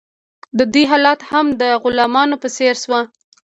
د دوی حالت هم د غلامانو په څیر شو.